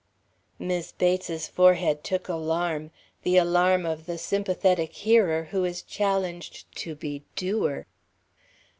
Mis' Bates's forehead took alarm the alarm of the sympathetic hearer who is challenged to be doer.